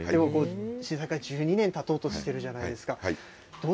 震災から１２年たとうとしてるじゃないですか。